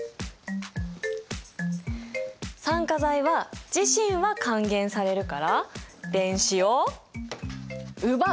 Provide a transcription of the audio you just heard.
酸化剤は自身は還元されるから電子を奪う。